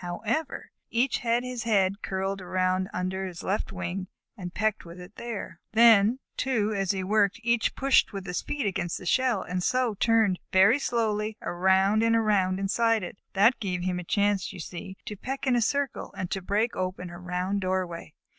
However, each had his head curled around under his left wing, and pecked with it there. Then, too, as he worked, each pushed with his feet against the shell, and so turned very slowly around and around inside it. That gave him a chance, you see, to peck in a circle and so break open a round doorway.